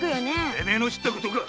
てめえの知ったことか！